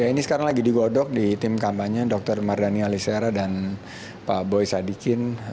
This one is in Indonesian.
ini sekarang lagi digodok di tim kampanye dr mardhani alisera dan pak boy sadikin